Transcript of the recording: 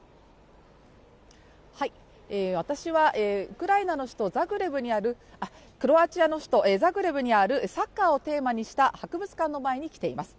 私はクロアチアの首都ザグレブにあるサッカーをテーマにした博物館の前に来ています。